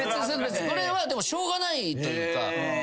それはでもしょうがないというか。